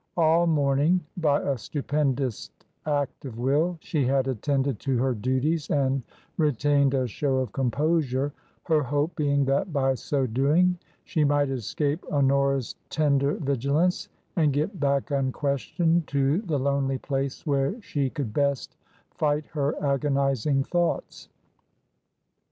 All morning, by a stupendous act of will, she had attended to her duties and retained a show of composure, her hope being that by so doing she might escape Honora's tender vigilance, and get back unquestioned to the lonely place where she could best fight her agonizing thoughts.